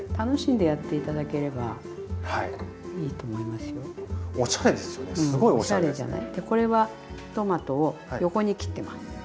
でこれはトマトを横に切ってます。